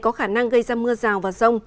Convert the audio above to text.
có khả năng gây ra mưa rào vào rông